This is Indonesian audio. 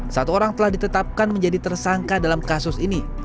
satu orang telah ditetapkan menjadi tersangka dalam kasus ini